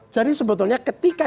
jadi sebetulnya ketika